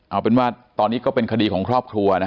เอาเป็นว่าตอนนี้ก็เป็นคดีของครอบครัวนะ